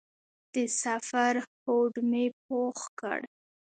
د سفر هوډ مې پوخ کړ.